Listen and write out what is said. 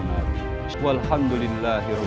biarkan bunda tenang sanda